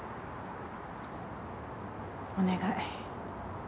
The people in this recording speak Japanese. お願い。